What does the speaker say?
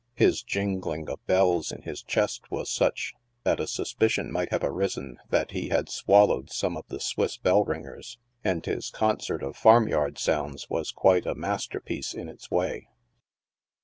His jingling of bells in his chest was such, that a suspicion might have arisen that he had swallowed some of the Swiss bell ringers, and his concert of farm yard sounds was quite a master piece in its way.